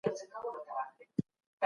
د دښمن په حق کي هم له عدل څخه کار واخلئ.